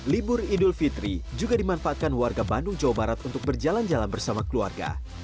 libur idul fitri juga dimanfaatkan warga bandung jawa barat untuk berjalan jalan bersama keluarga